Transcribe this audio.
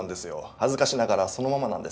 恥ずかしながらそのままなんです。